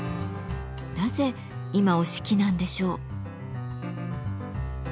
なぜ今折敷なんでしょう？